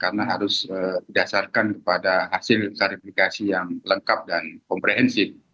karena harus didasarkan kepada hasil karifikasi yang lengkap dan komprehensif